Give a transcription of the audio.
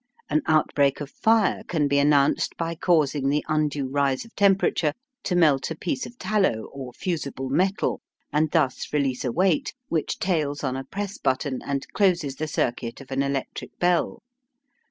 An outbreak of fire can be announced by causing the undue rise of temperature to melt a piece of tallow or fusible metal, and thus release a weight, which tails on a press button, and closes the circuit of an electric bell.